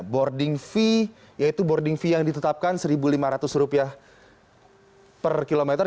boarding fee yaitu boarding fee yang ditetapkan rp satu lima ratus per kilometer